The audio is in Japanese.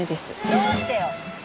どうしてよ？